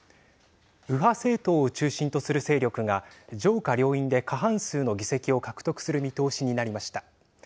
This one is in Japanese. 右派政党を中心とする勢力が上下両院で過半数の議席を獲得する見通しになりました。